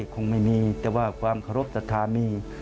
คงไม่มีแต่ว่าความเคารพสัทธามี